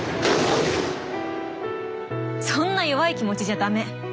そんな弱い気持ちじゃダメ。